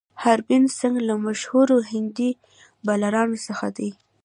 هربهن سنګ له مشهورو هندي بالرانو څخه دئ.